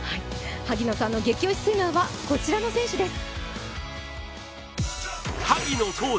萩野さんの激推しスイマーはこちらの方です。